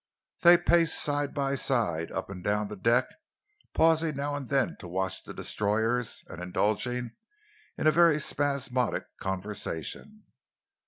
They paced side by side up and down the deck, pausing now and then to watch the destroyers and indulging in a very spasmodic conversation.